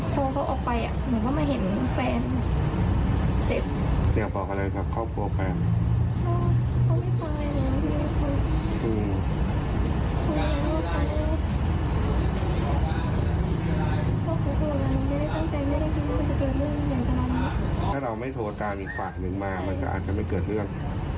ถ้าเราไม่โทรตามอีกฝากนึงมามันก็อาจจะไม่เกิดเรื่อง